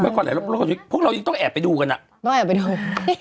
เมื่อก่อนหลายรอบพวกเรายังต้องแอบไปดูกันอะต้องแอบไปดู